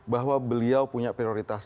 bahwa beliau punya prioritas